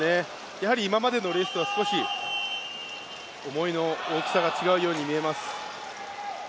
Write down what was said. やはり今までのレースとは少し思いの大きさが違うように思います。